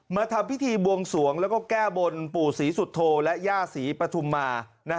มาทำพิธีบวงสวงแล้วก็แก้บนปู่ศรีสุโธและย่าศรีปฐุมมา